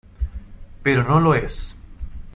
Pero no lo es.